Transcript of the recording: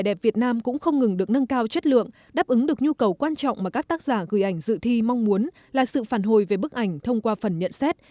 đẹp việt nam cũng không ngừng được nâng cao chất lượng đáp ứng được nhu cầu quan trọng mà các tác giả gửi ảnh dự thi mong muốn là sự phản hồi về bức ảnh thông qua phần nhận xét